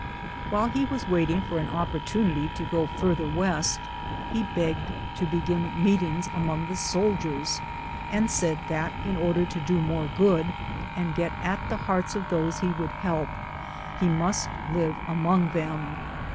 While he was waiting for an opportnnit}^ to go far ther west, he begged to begin meetings among the soldiers, and said that in order to do more good and get at the hearts of those he would help, he must live among them.